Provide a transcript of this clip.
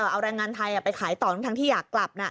เอาแรงงานไทยไปขายต่อทั้งที่อยากกลับ